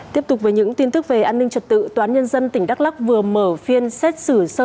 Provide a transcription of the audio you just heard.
tiếp tục với những tin tức về an ninh trật tự tòa án nhân dân tỉnh đắk lắc vừa mở phiên xét xử sơ